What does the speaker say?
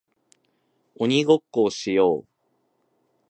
鬼ごっこをしよう